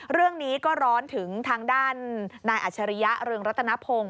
เรื่องนี้ก็ร้อนถึงทางด้านนายอัชริยะเรืองรัตนพงศ์